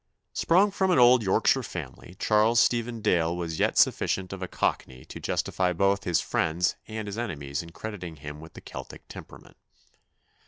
Sprung from an old Yorkshire family, Charles Stephen Dale was yet sufficient of a Cockney to justify both his friends and his enemies in crediting him with the Celtic temperament.